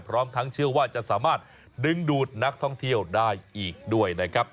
พร้อมทั้งเชื่อว่าจะสามารถดึงดูดนักท่องเที่ยวได้อีกด้วยนะครับ